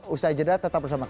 usai jeda tetap bersama kami